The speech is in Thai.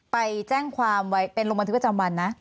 ไปแจ้งความไว้เป็นโรงพยาบาลถือว่าจำวันนะ